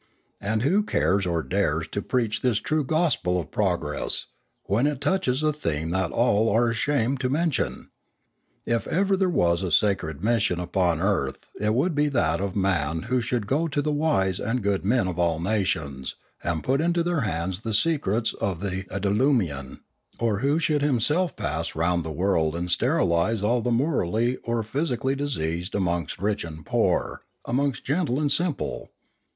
And who cares or dares to preach this true gospel of progress, when it touches a theme that all are ashamed to men tion ? If ever there was a sacred mission upon earth it would be that of the man who should go to the wise and good men of all nations and put into their hands the secret of the idlumian, or who should himself pass round the world and sterilise all the morally or physi cally diseased amongst rich and poor, amongst gentle and simple.